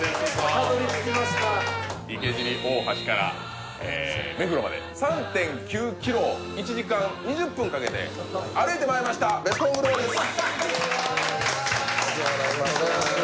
たどり着きました池尻大橋から目黒まで３．９キロ１時間２０分かけて歩いてまいりましたベスコングルメです